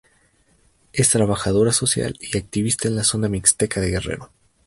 Es trabajadora social y activista en la zona mixteca de Guerrero.